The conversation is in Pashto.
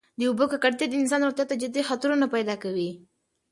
د اوبو ککړتیا د انسان روغتیا ته جدي خطرونه پیدا کوي.